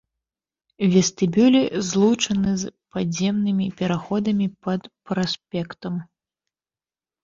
Вестыбюлі злучаны з падземнымі пераходамі пад праспектам.